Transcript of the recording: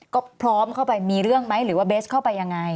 ก็พร้อมเข้าไปมีเรื่องไหมหรือว่าเบสเข้าไปยังไง